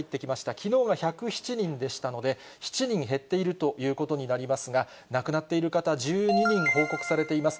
きのうが１０７人でしたので、７人減っているということになりますが、亡くなっている方１２人報告されています。